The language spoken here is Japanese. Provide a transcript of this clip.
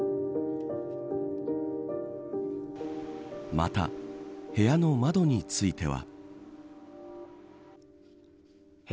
また部屋の窓については。